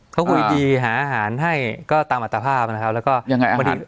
เขาคุยดีหาอาหารให้ก็ตามอัตภาพนะครับแล้วก็ยังไงอ่ะพอดี